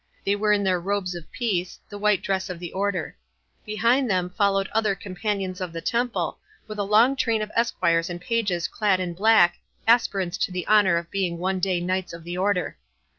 They were in their robes of peace, the white dress of the Order. Behind them followed other Companions of the Temple, with a long train of esquires and pages clad in black, aspirants to the honour of being one day Knights of the Order.